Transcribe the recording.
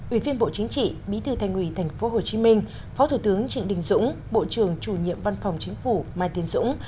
ủy viên bộ chính trị bí thư thành ủy tp hcm phó thủ tướng trịnh đình dũng bộ trưởng chủ nhiệm văn phòng chính phủ mai tiến dũng